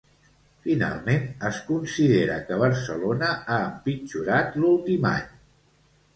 Finalment, es considera que Barcelona ha empitjorat l'últim any.